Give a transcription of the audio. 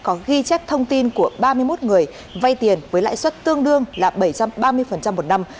có ghi chép thông tin của ba mươi một người vay tiền với lãi suất tương đương là bảy trăm ba mươi một năm